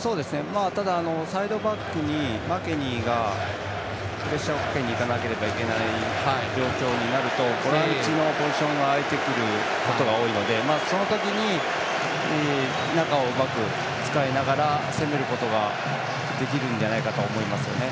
サイドバックにマケニーがプレッシャーをかけにいかなければいけない状況になるとボランチのポジションが空いてくることが多いのでその時に、中をうまく使いながら攻めることができるんじゃないかと思いますね。